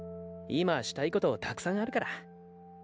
今したいことたくさんあるから。